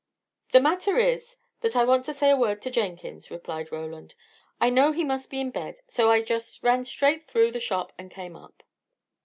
"The matter is, that I want to say a word to Jenkins," replied Roland. "I know he must be in bed, so I just ran straight through the shop and came up."